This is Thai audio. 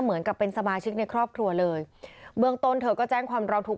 เหมือนกับเป็นสมาชิกในครอบครัวเลยเบื้องต้นเธอก็แจ้งความร้องทุกข